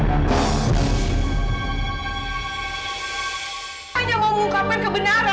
hanya mau mengungkapkan kebenaran